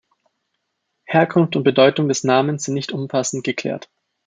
Herkunft und Bedeutung des Namens sind nicht umfassend geklärt.